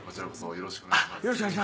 よろしくお願いします！